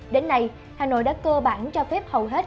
đến nay hà nội đã cơ bản cho phép hầu hết